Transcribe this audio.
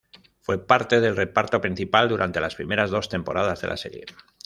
Fue parte del reparto principal durante las primeras dos temporadas de la serie.